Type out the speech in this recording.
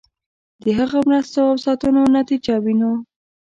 د هغه مرستو او ساتنو نتیجه وینو.